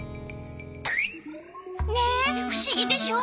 ねふしぎでしょ！